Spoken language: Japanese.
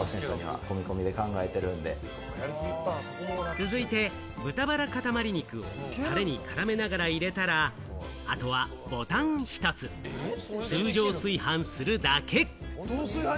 続いて、豚バラかたまり肉をタレに絡めながら入れたら、あとはボタン１つ、通常炊飯するだけ。